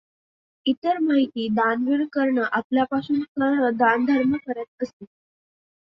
इतर माहिती दानवीर कर्ण पहिल्यापासून कर्ण दानधर्म करीत असे.